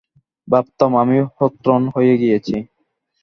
ভাবতাম, আমি হথর্ন হয়ে গিয়েছি।